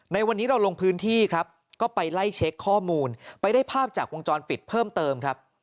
ในวันนี้เราลงพื้นที่ครับก็ไปไล่เช็คข้อมูลไปได้ภาพจากวงจรปิดเพิ่มเติมครับ